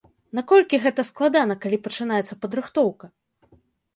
Наколькі гэта складана, калі пачынаецца падрыхтоўка?